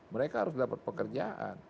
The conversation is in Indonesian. mereka harus dapat pekerjaan